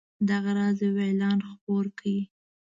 دغه راز یو اعلان خپور کړئ.